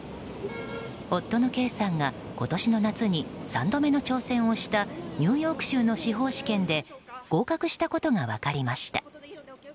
夫の圭さんが今年の夏に３度目の挑戦をしたニューヨーク州の司法試験で合格したことが分かりました。